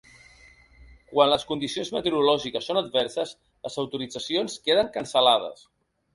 Quan les condicions meteorològiques són adverses, les autoritzacions queden cancel·lades.